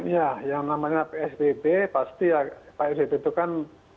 ya yang namanya psbb pasti ya pak rt itu kan